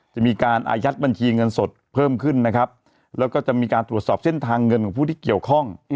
จะมีการอายัดบัญชีเงินสดเพิ่มขึ้นนะครับแล้วก็จะมีการตรวจสอบเส้นทางเงินของผู้ที่เกี่ยวข้อง